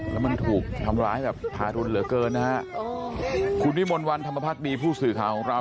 แล้วมันถูกทำร้ายแบบทารุณเหลือเกินนะฮะคุณวิมลวันธรรมพักดีผู้สื่อข่าวของเรา